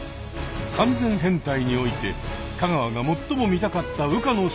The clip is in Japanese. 完全変態において香川が最も見たかった羽化のしゅんかん。